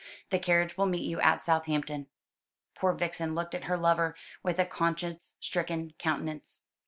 The carriage will meet you at Southampton." Poor Vixen looked at her lover with a conscience stricken countenance.